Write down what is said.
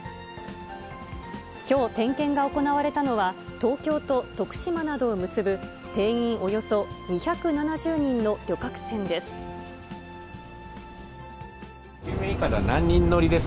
きょう点検が行われたのは、東京と徳島などを結ぶ定員およそ２７０人の旅客船です。